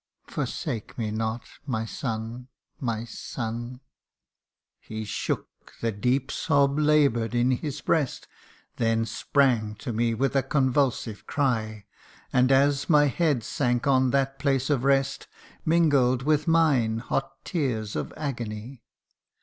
forsake me not my son ! my son !'" He shook the deep sob labour'd in his breast Then sprang to me with a convulsive cry ; And, as my head sank on that place of rest, Mingled with mine hot tears of agony.